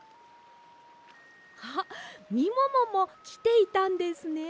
あっみもももきていたんですね。